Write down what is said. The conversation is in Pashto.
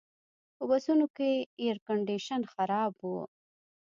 په بسونو کې ایرکنډیشن خراب و.